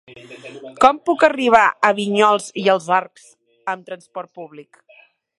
Com puc arribar a Vinyols i els Arcs amb trasport públic?